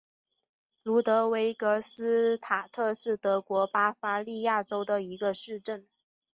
卢德维格斯塔特是德国巴伐利亚州的一个市镇。